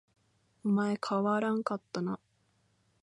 お前変わらんかったな